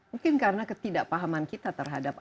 mungkin karena ketidakpahaman kita terhadap asal usul sejarah